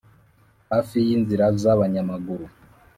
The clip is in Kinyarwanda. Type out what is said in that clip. hafi y’inzira z’abanyamaguru